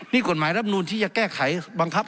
นี่กฎหมายรับนูนที่จะแก้ไขบังคับ